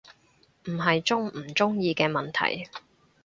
唔係鍾唔鍾意嘅問題